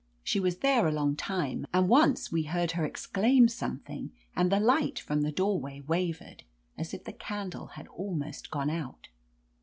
She was there a long time, and once we heard her ex claim something and the light from the door way wavered, as if the candle had almost gone out.